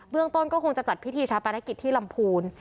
เรื่องต้นก็คงจะจัดพิธีชาปนกิจที่ลำพูน